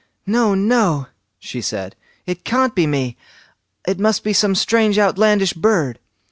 "No, no!" she said, "it can't be me; it must be some strange outlandish bird."